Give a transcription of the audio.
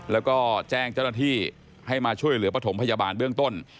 แล้วก็แจ้งเจ้าหน้าที่ให้มาช่วยเหลือปฐมพยาบาลเบื้องต้น